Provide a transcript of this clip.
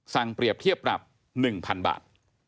เปรียบเทียบปรับ๑๐๐๐บาท